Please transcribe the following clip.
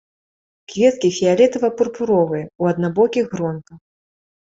Кветкі фіялетава-пурпуровя, у аднабокіх гронках.